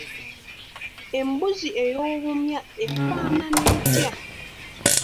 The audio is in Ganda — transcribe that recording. Embuzi ey’obumya efaanana etya?